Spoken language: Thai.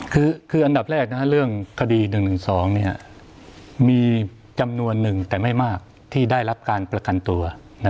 คืออันดับแรกเรื่องคดี๑๑๒มีจำนวนหนึ่งแต่ไม่มากที่ได้รับการประกันตัว